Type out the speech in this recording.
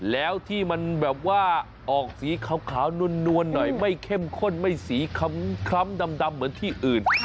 แล้วที่มันแบบว่าออกสีขาวนวลหน่อยไม่เข้มข้นไม่สีคล้ำดำเหมือนที่อื่น